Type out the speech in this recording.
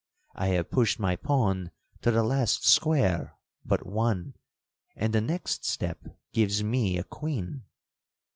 I have pushed my pawn to the last square but one, and the next step gives me a queen.'